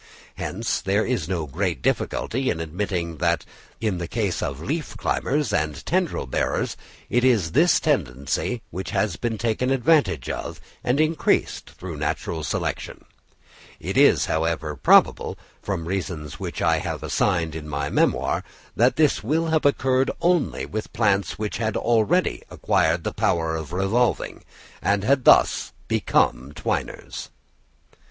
Hence there is no great difficulty in admitting that in the case of leaf climbers and tendril bearers, it is this tendency which has been taken advantage of and increased through natural selection. It is, however, probable, from reasons which I have assigned in my memoir, that this will have occurred only with plants which had already acquired the power of revolving, and had thus become twiners.